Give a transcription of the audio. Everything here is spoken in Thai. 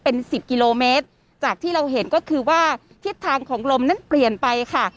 เป็นสิบกิโลเมตรจากที่เราเห็นก็คือว่าทิศทางของลมนั้นเปลี่ยนไปค่ะ